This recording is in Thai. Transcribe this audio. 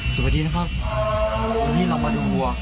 สวัสดีนะครับวันนี้เรามาดูวัว